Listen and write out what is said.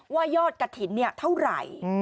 ว่ายอดกฐินเนี่ยเท่าไหร่